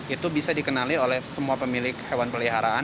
itu bisa dikenali oleh semua pemilik hewan peliharaan